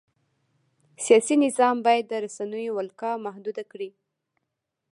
سیاسي نظام باید د رسنیو ولکه محدوده کړي.